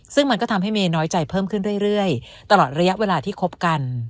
ซึ่งมันก็ทำให้เมย์น้อยใจเพิ่มขึ้นเรื่อยตลอดระยะเวลาที่คบกัน